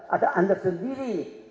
atau anda sendiri